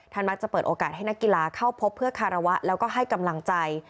มักจะเปิดโอกาสให้นักกีฬาเข้าพบเพื่อคารวะแล้วก็ให้กำลังใจ